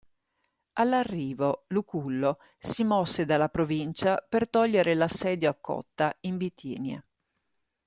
All'arrivo, Lucullo si mosse dalla provincia per togliere l'assedio a Cotta in Bitinia.